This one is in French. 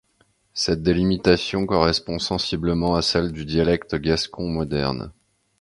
Cette délimitation correspond sensiblement à celle du dialecte gascon moderne.